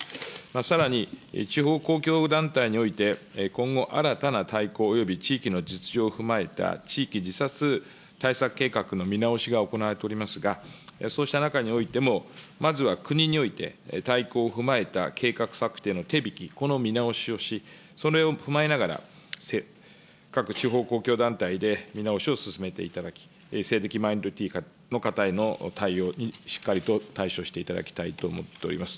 さらに、地方公共団体において、今後新たな大綱および地域の実情を踏まえた、地域自殺対策計画の見直しが行われておりますが、そうした中においても、まずは国において、大綱を踏まえた計画策定の手引、この見直しをし、それを踏まえながら、各地方公共団体で見直しを進めていただき、性的マイノリティーの方への対応にしっかりと対処していただきたいと思っております。